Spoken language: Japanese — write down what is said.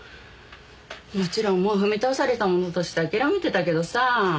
もちろんもう踏み倒されたものとしてあきらめてたけどさぁ。